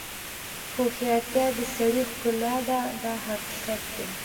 هوښیارتیا د سړي ښکلا ده دا حقیقت دی.